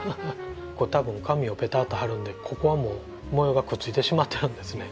たぶん紙をペターッと貼るんでここはもう模様がくっついてしまってるんですね。